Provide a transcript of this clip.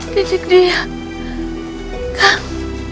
didik dia kang